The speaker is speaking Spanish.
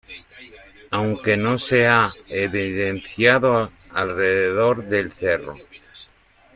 Aunque no se ha evidenciado alrededor del cerro.